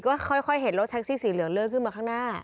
ก็ค่อยเห็นรถแท็กซี่สีเหลืองเลื่อขึ้นมาข้างหน้า